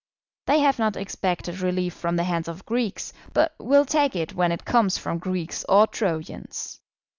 They have not expected relief from the hands of Greeks, but will take it when it comes from Greeks or Trojans.